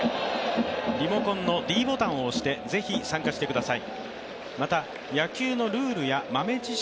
リモコンのｄボタンを押してぜひ参加してください。